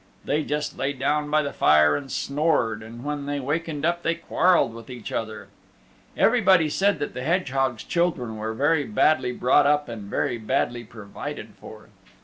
They just lay down by the fire and snored, and when they wakened up they quarrelled with each other. Everybody said that the hedgehogs' children were very badly brought up and very badly provided for.